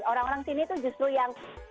orang orang sini tuh justru yang